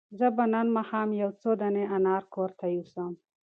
زه به نن ماښام یو څو دانې انار کور ته یوسم.